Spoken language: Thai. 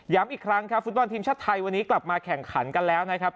อีกครั้งครับฟุตบอลทีมชาติไทยวันนี้กลับมาแข่งขันกันแล้วนะครับ